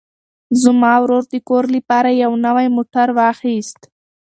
زما ورور د کار لپاره یو نوی موټر واخیست.